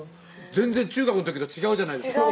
全然中学の時と違うじゃないですか